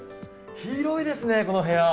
広いですね、この部屋。